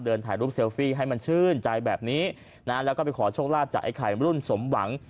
ถ่ายรูปเซลฟี่ให้มันชื่นใจแบบนี้นะแล้วก็ไปขอโชคลาภจากไอ้ไข่รุ่นสมหวัง